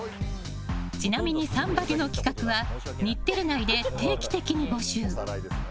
ちなみに「サンバリュ」の企画は日テレ内で定期的に募集。